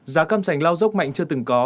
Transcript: giá cam sành lao dốc mạnh chưa từng có